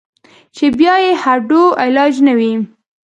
چې بيا ئې هډو علاج نۀ وي -